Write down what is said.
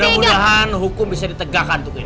mudah mudahan hukum bisa ditegakkan untuk ini